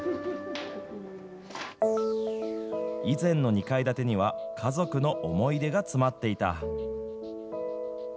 以前の２階建てには家族の思い出が詰まっていた。